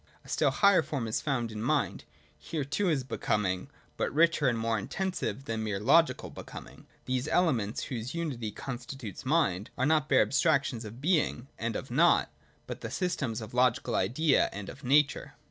A still higher form is found in Mind. Here too is Becoming, but richer and more inten sive than mere logical Becoming. The elements, whose 88, 89.] DETERMINATE BEING. 169 unity constitutes mind, are not the bare abstracts of Being and of Nought, but the system of the logical Idea and of Nature.